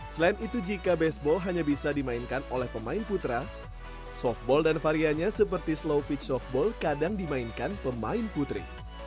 selain itu jika baseball hanya bisa dimainkan oleh pemain putra softball dan varianya seperti slow pitch softball kadang dimainkan pemain putri